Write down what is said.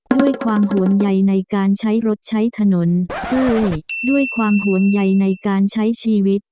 ด้วยความห่วงใยในการใช้รถใช้ถนนเอ้ยด้วยความห่วงใยในการใช้ชีวิต